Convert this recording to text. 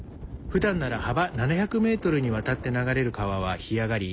ふだんなら幅７００ｍにわたって流れる川は干上がり